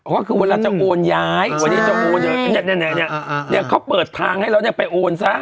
ว่าคือเวลาจะโอนย้ายวันนี้จะโอนไหนนี่เขาเปิดทางให้เราไปโอนซะ